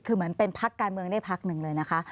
คือเหมือนเป็นพักการเมืองได้พักหนึ่งเลยนะคะ